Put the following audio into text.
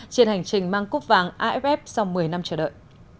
trên hành trình mang cúp vàng aff sau một mươi năm chờ đợi